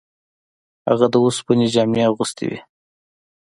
هغه د اوسپنې جامې اغوستې وې.